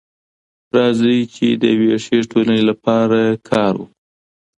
راځئ چي د يوې ښې ټولني لپاره کار وکړو.